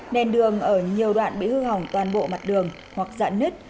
nền đường ở nhiều đoạn bị hư hỏng toàn bộ mặt đường hoặc dạn nứt